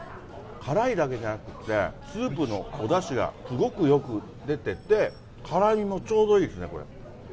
辛いだけじゃなくて、スープのおだしがすごくよく出てて、辛みもちょうどいいですね、これ。